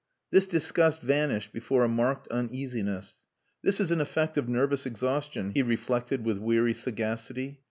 This disgust vanished before a marked uneasiness. "This is an effect of nervous exhaustion," he reflected with weary sagacity.